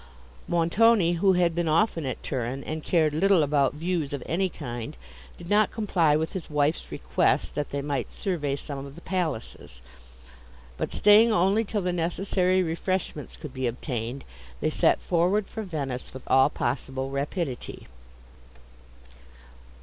Montoni, who had been often at Turin, and cared little about views of any kind, did not comply with his wife's request, that they might survey some of the palaces; but staying only till the necessary refreshments could be obtained, they set forward for Venice with all possible rapidity.